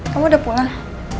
kamu udah pulang